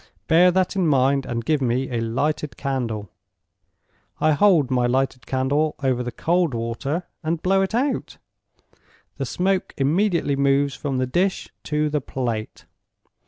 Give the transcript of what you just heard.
Bear that in mind, and give me a lighted candle. I hold my lighted candle over the cold water, and blow it out. The smoke immediately moves from the dish to the plate.